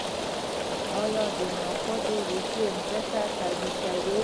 آیا د نخودو ریښې ځمکه قوي کوي؟